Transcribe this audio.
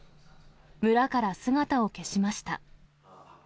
村から姿を消しました。